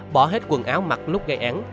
bỏ hết quần áo mặc lúc gây án